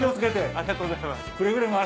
ありがとうございます。